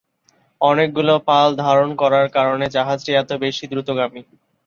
অনেকগুলো পাল ধারণ করার কারণে জাহাজটি এতো বেশি দ্রুতগামী।